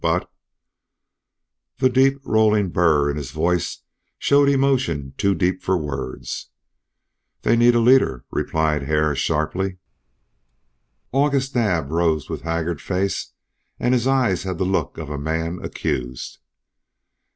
But " The deep rolling burr in his voice showed emotion too deep for words. "They need a leader," replied Hare, sharply. August Naab rose with haggard face and his eyes had the look of a man accused.